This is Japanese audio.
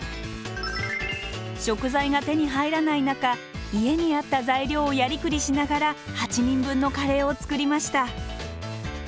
食材が手に入らない中家にあった材料をやりくりしながら８人分のカレーを作りました。